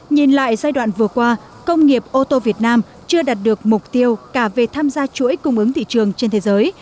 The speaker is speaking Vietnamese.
nhìn lại giai đoạn vừa qua công nghiệp ô tô việt nam chưa đạt được mục tiêu cả về tham gia chuỗi cung ứng thị trường trên thế giới